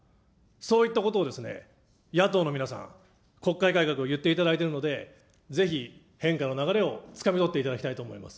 そういったことを野党の皆さん、国会改革を言っていただいているので、ぜひ変化の流れをつかみ取っていただきたいと思います。